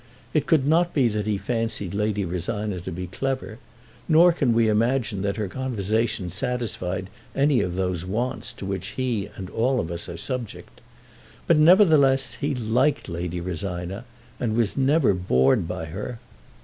It could not be that he fancied Lady Rosina to be clever, nor can we imagine that her conversation satisfied any of those wants to which he and all of us are subject. But nevertheless he liked Lady Rosina, and was never bored by her.